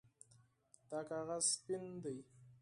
دا کاغذ سپین ده